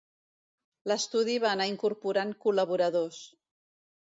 L’estudi va anar incorporant col·laboradors.